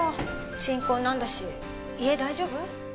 新婚なんだし家大丈夫？